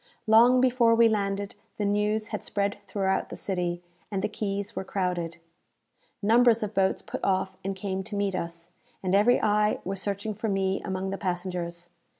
Long before we landed, the news had spread throughout the city, and the quays were crowded. Numbers of boats put off and came to meet us, and every eye was searching for me among the passengers.